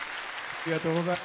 ありがとうございます。